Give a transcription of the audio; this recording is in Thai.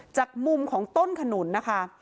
จากมุมของต้นขนุนนะคะ